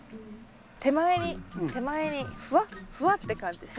手前に手前にふわっふわって感じ先生の。